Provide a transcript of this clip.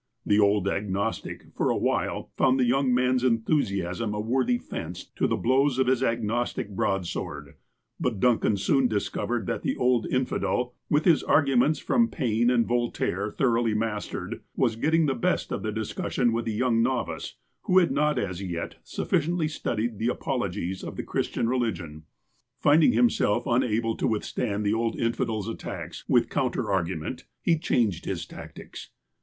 The old agnostic, for a while, found the young man's enthusiasm a worthy fence to the blows of his agnostic broadsword ; but Duncan soon discovered that the old infidel, with his arguments from Paine and Voltaire thor oughly mastered, was getting the best of the discussion with a young novice who had not as yet sufficiently studied the "apologies" of the Christian religion. Finding himself unable to withstand the old infidel's attacks with counter argument, he changed his tactics.